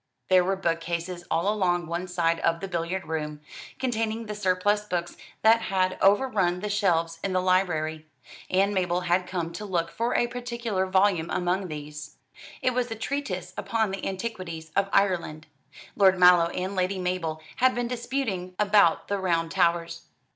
There were book cases all along one side of the billiard room, containing the surplus books that had overrun the shelves in the library; and Mabel had come to look for a particular volume among these. It was a treatise upon the antiquities of Ireland. Lord Mallow and Lady Mabel had been disputing about the Round Towers.